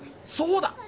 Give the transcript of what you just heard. そうだ！